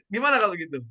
gimana kalau gitu